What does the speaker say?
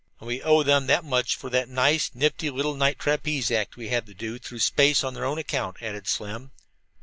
"And we owe them that much for that nice, nifty little night trapeze act we had to do through space on their account," added Slim.